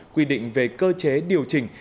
quy định về cơ chế điều chỉnh